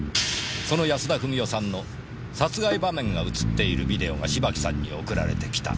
その安田富美代さんの殺害場面が映っているビデオが芝木さんに送られてきた。